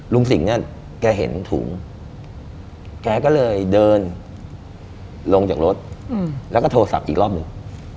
ลุงสิงศ์เห็นไอถุงแกก็เลยเดินลงจากรถแล้วก็โทรสับอีกรอบหนึ่ง